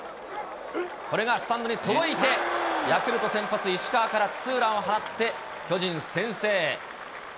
これがスタンドに届いて、ヤクルト先発、石川からツーランを放って巨人先制。